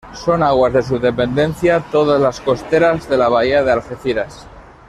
Son aguas de su dependencia todas las costeras de la bahía de Algeciras